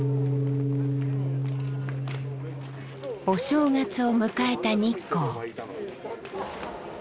お正月を迎えた日光。